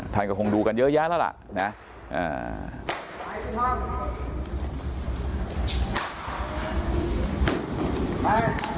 ท่านก็คงดูกันเยอะแยะแล้วล่ะนะ